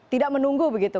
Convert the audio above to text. tidak menunggu begitu